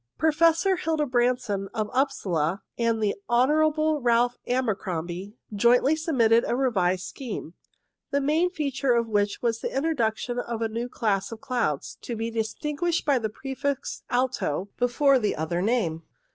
Professor Hildebrandsson, of Upsala, and the Hon. Ralph Abercromby jointly submitted a re vised scheme, the main feature of which was the introduction of a new class of clouds, to be distin guished by the prefix alto before the other name.